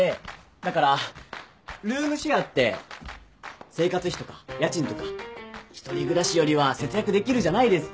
だからルームシェアって生活費とか家賃とか一人暮らしよりは節約できるじゃないですか。